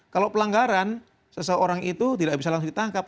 kalau pelanggaran seseorang itu tidak bisa langsung ditangkap